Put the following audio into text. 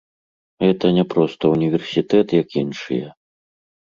Гэта не проста ўніверсітэт як іншыя.